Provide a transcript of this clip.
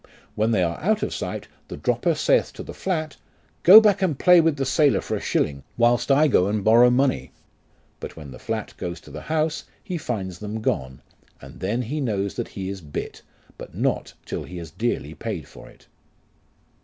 When they are out of sight, the dropper saith to the flat, Go you back and play with the sailor for a shilling, whilst I go and borrow money ; but when the flat goes to the house, he finds them gone, and then he knows that he is bit, but not till he has dearly paid for it.